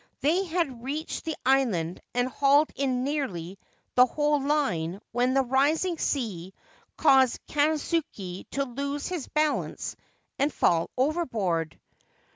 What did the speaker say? They had reached the island and hauled in nearly the whole line when the rising sea caused Kansuke to lose his balance and fall overboard.